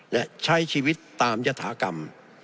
และใช้ชีวิตตามยฐากรรม